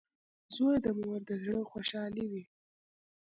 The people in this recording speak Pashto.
• زوی د مور د زړۀ خوشحالي وي.